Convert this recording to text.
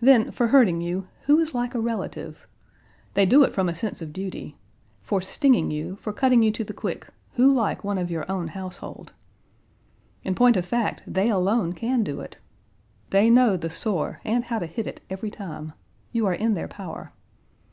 Then for hurting you, who is like a relative? They do it from a sense of duty. For stinging you, for cutting you to the quick, who like one of your own household? In point of fact, they alone can do it. They know the sore, and how to hit it every time. You are in their power.